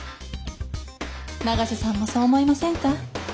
永瀬さんもそう思いませんか？